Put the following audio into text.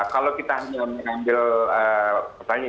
kalau kita hanya mengambil